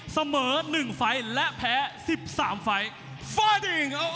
เสมอ๑ไฟล์และแพ้๑๓ไฟล์ไฟล์